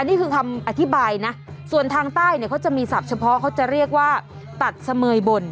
นี่คือคำอธิบายนะส่วนทางใต้เนี่ยเขาจะมีศัพท์เฉพาะเขาจะเรียกว่าตัดเสมยบน